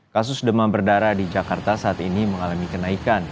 kasus demam berdarah di jakarta saat ini mengalami kenaikan